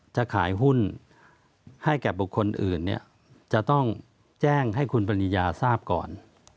จะขายหุ้นให้แก่บุคคลอื่นเนี่ยจะต้องแจ้งให้คุณปริญญาทราบก่อน